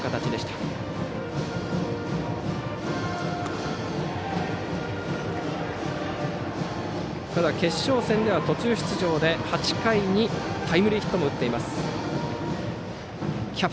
ただ決勝戦では途中出場で８回にタイムリーヒットも打っています。